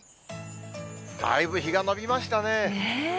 だいぶ日が延びましたね。